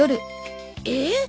えっ！？